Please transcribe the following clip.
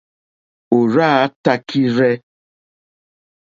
Òrzáā tākírzɛ́.